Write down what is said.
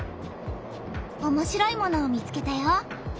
おもしろいものを見つけたよ。